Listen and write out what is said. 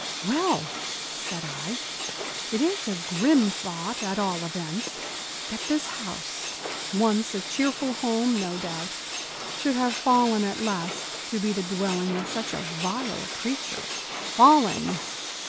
"Well," said I, "it is a grim thought, at all events, that this house, once a cheerful home, no doubt, should have fallen at last to be the dwelling of such a vile creature." "Fallen!"